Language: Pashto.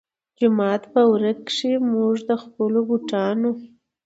جومات پۀ ورۀ کښې مونږ د خپلو بوټانو